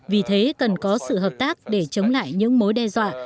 vì thế cần có sự hợp tác để chống lại những mối đe dọa